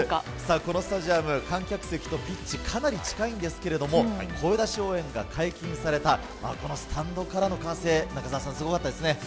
このスタジアム、観客席とピッチかなり近いんですが声出し応援が解禁されたスタンドからの歓声すごかったですね。